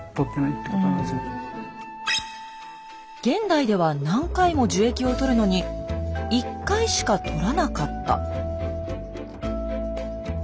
現代では何回も樹液を採るのに１回しか採らなかった。